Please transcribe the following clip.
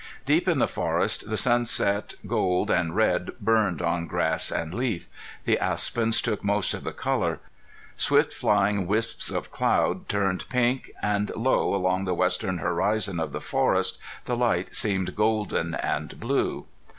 Deep in the forest the sunset gold and red burned on grass and leaf. The aspens took most of the color. Swift flying wisps of cloud turned pink, and low along the western horizon of the forest the light seemed golden and blue.